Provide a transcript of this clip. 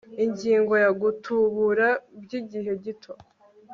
ingingo ya gutubura by igihe gito